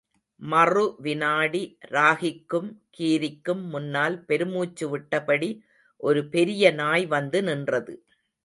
மறு விநாடி ராகிக்கும், கீரிக்கும் முன்னல் பெருமூச்சு விட்டபடி ஒரு பெரிய நாய் வந்து நின்றது.